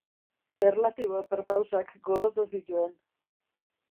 Erlatibo perpausak gorroto zituen.